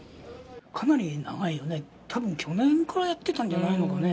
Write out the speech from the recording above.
かなり長いよね、たぶん去年くらいからやってたんじゃないのかね。